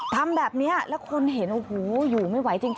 ทำแบบนี้แล้วคนเห็นโอ้โหอยู่ไม่ไหวจริง